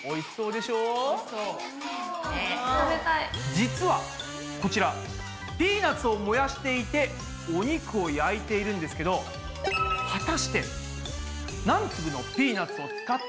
実はこちらピーナツを燃やしていてお肉を焼いているんですけど果たして何粒のピーナツを使って燃やしていると思いますか？